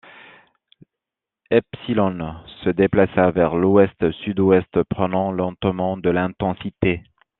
Epsilon se déplaça vers l’Ouest-Sud-Ouest, prenant lentement de l’intensité.